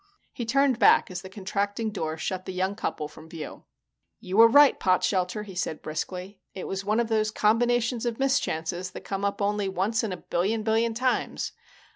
He turned back as the contracting door shut the young couple from view. "You were right, Potshelter," he said briskly. "It was one of those combinations of mischances that come up only once in a billion billion times.